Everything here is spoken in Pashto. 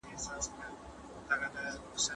رواني پاملرنه څنګه ښه کیدلای سي؟